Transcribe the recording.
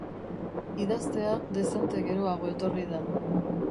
Idaztea dezente geroago etorri da.